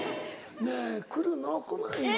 「ねぇ来るの？来ないの？」。